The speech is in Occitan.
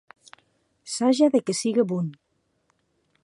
Saja de qué sigue bon.